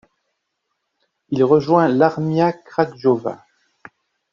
Il rejoint l'Armia Krajowa.